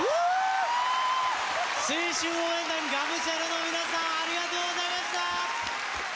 青春応援団我無沙羅の皆さんありがとうございました！